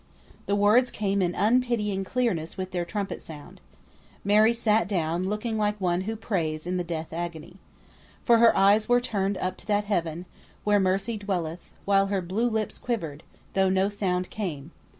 The words came in unpitying clearness with their trumpet sound. Mary sat down, looking like one who prays in the death agony. For her eyes were turned up to that Heaven, where mercy dwelleth, while her blue lips quivered, though no sound came.